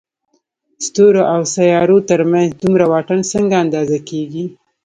ستورو او سيارو تر منځ دومره واټن څنګه اندازه کېږي؟